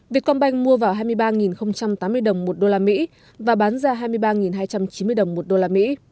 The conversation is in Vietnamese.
vietcombank mua vào hai mươi ba tám mươi đồng một đô la mỹ và bán ra hai mươi ba hai trăm chín mươi đồng một đô la mỹ